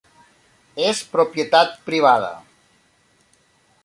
És propietat privada.